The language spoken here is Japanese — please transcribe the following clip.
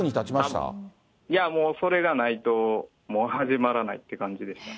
いやもう、それがないと、もう始まらないって感じでした。